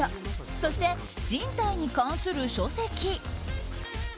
そして人体に関する書籍。